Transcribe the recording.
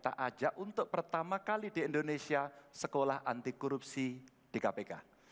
kita ajak untuk pertama kali di indonesia sekolah anti korupsi di kpk